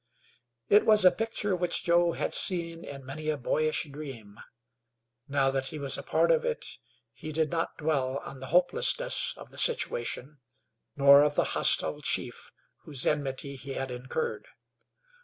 It was a picture which Joe had seen in many a boyish dream; now that he was a part of it he did not dwell on the hopelessness of the situation, nor of the hostile chief whose enmity he had incurred.